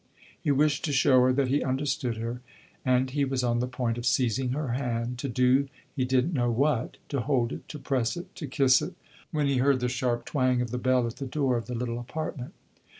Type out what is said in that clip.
He wished to show her that he understood her, and he was on the point of seizing her hand, to do he did n't know what to hold it, to press it, to kiss it when he heard the sharp twang of the bell at the door of the little apartment.